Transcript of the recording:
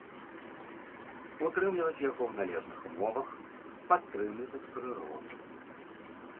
Утрымліваць яго ў належных умовах, падтрымліваць прыроду.